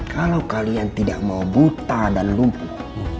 kalau kalian tidak mau buta dan lumpuh